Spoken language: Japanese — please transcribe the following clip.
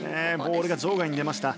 ボールが場外に出ました。